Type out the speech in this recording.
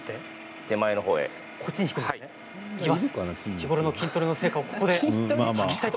日頃の筋トレの成果をここで発揮したいと。